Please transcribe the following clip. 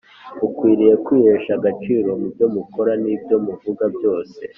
mukwiriye kwihesha agaciro mubyo mukora nibyo muvuga byose